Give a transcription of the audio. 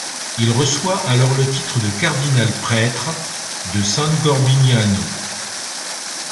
Il reçoit alors le titre de cardinal-prêtre de San Corbiniano.